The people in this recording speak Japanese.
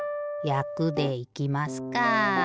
「やく」でいきますか。